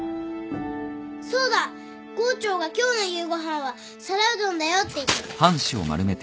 そうだ郷長が今日の夕ご飯は皿うどんだよって言ってた。